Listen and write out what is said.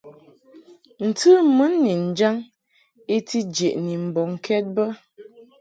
Ntɨ mun ni njaŋ i ti jeʼni mbɔŋkɛd bə.